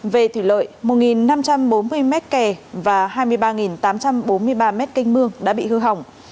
về thủy lợi một năm trăm bốn mươi mét kè và hai mươi ba tám trăm bốn mươi ba mét canh mương đã bị hư hỏng